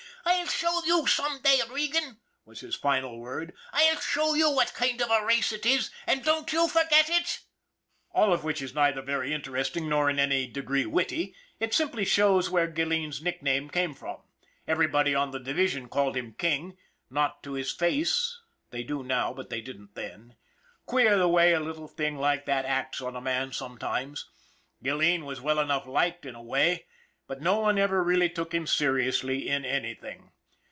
" I'll show you some day, Regan," was his final word. " I'll show you what kind of a race it is, an' don't you forget it !" All of which is neither very interesting nor in any degree witty it simply shows where Gilleen's nick name came from. Everybody on the division called him " King " not to his face, they do now, but they didn't then. Queer the way a little thing like that acts on a man sometimes. Gilleen was well enough liked in a way, but no one ever really took him seriously in anything.